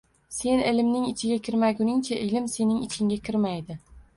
Sen ilmning ichiga kirmaguningcha ilm sening ichingga kirmaydi.